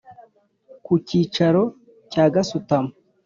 Ku kicaro cya gasutamo.